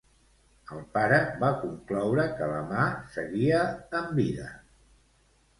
El pare va concloure que la mà seguia amb vida?